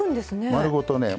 丸ごとね。